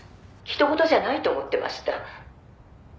「他人事じゃないと思ってました」